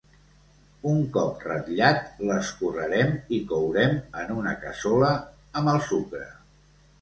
Un cop ratllat, l'escorrerem i courem en una cassola amb el sucre.